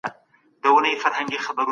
ایا تاسو کله د خاورو لوښي جوړ کړي دي؟